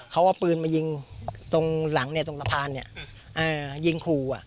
เขาก็ปืนมายิงตรงหลังเนี้ยตรงตะพานเนี้ยอ่ายิงขู่อ่ะ